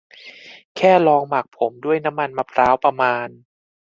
แค่ลองหมักผมด้วยน้ำมันมะพร้าวประมาณ